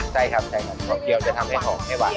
ใช่ครับหอมเจียวจะทำให้หอมให้หวาน